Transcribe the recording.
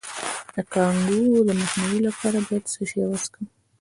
د کانګو د مخنیوي لپاره باید څه شی وڅښم؟